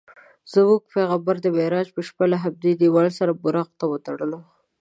زموږ پیغمبر د معراج په شپه له همدې دیوال سره براق وتړلو.